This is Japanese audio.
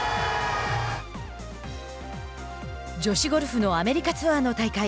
女子ゴルフのアメリカツアーの大会。